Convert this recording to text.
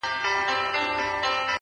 منم د قاف د شاپېريو حُسن _